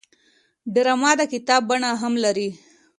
ډرامه د کتاب بڼه هم لري